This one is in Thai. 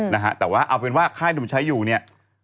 นะฮะแต่ว่าเอาเป็นว่าค่ายหนุ่มใช้อยู่เนี่ย